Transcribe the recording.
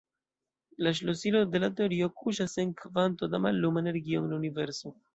La ŝlosilo de la teorio kuŝas en kvanto da malluma energio en la Universo.